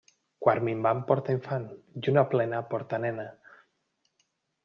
Quart minvant porta infant; lluna plena porta nena.